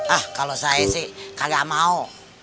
ah kalau saya sih kagak mau